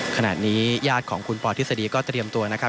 ขณะนี้ญาติของคุณปอทฤษฎีก็เตรียมตัวนะครับ